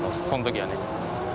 そん時はね。